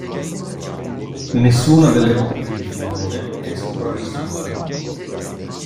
Nessuna delle opere di Filone è sopravvissuta.